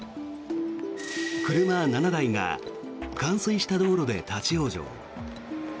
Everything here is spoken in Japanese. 車７台が冠水した道路で立ち往生。